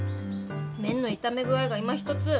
麺の炒め具合がいまひとつ。